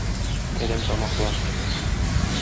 Әрәмтамаклар!